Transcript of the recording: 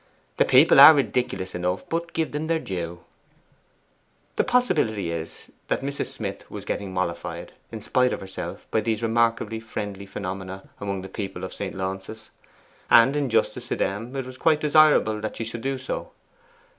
The people are ridiculous enough, but give them their due.' The possibility is that Mrs. Smith was getting mollified, in spite of herself, by these remarkably friendly phenomena among the people of St. Launce's. And in justice to them it was quite desirable that she should do so.